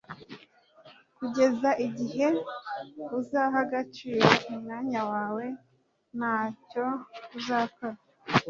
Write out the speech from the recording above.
kugeza igihe uzaha agaciro umwanya wawe, ntacyo uzakora